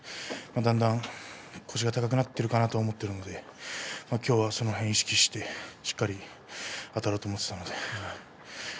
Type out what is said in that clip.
だんだん腰が高くなっているかなと思っているのできょうはその点を意識してしっかりあたろうと思っていたので。